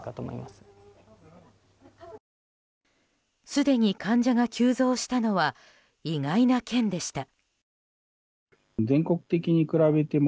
すでに患者が急増したのは意外な県でした。